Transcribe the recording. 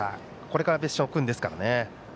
これから別所君ですからね。